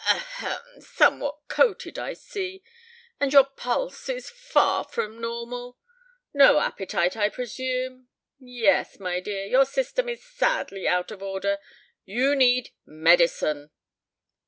"Ahem! somewhat coated, I see. And your pulse is far from normal; no appetite, I presume? Yes, my dear, your system is sadly out of order. You need medicine."